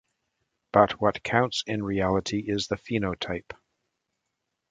But what counts in reality is the phenotype.